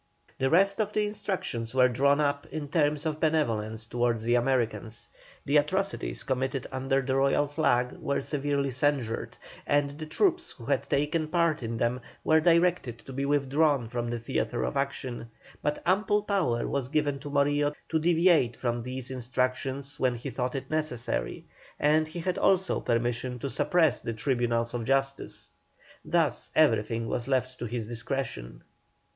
The rest of the instructions were drawn up in terms of benevolence towards the Americans. The atrocities committed under the Royal flag were severely censured, and the troops who had taken part in them were directed to be withdrawn from the theatre of action, but ample power was given to Morillo to deviate from these instructions when he thought it necessary, and he had also permission to suppress the tribunals of justice. Thus everything was left to his discretion.